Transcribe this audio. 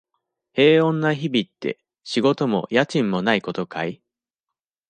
平穏な日々って、仕事も家賃もないことかい？